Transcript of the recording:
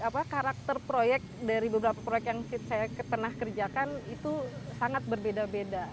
karena karakter proyek dari beberapa proyek yang saya pernah kerjakan itu sangat berbeda beda